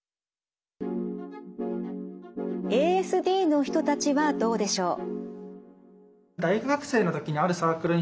ＡＳＤの人たちはどうでしょう。